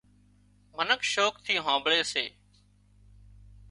منک شوق ٿِي هامڀۯي سي